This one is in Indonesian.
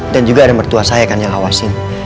dan juga ada mertua saya kan yang awasin